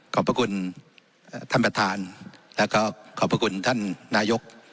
พระคุณท่านประธานแล้วก็ขอบพระคุณท่านนายก